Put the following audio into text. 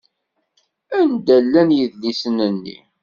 Anda llan yidlisen-nni?